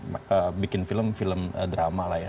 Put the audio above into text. saya bikin film film drama lah ya